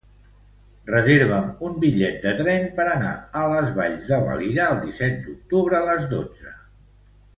Reserva'm un bitllet de tren per anar a les Valls de Valira el disset d'octubre a les dotze.